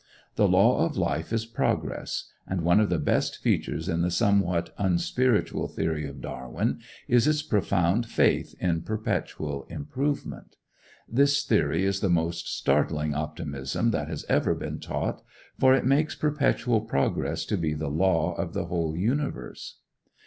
The law of life is progress; and one of the best features in the somewhat unspiritual theory of Darwin is its profound faith in perpetual improvement. This theory is the most startling optimism that has ever been taught, for it makes perpetual progress to be the law of the whole universe.